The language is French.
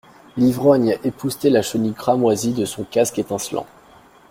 L'ivrogne époussetait la chenille cramoisie de son casque étincelant.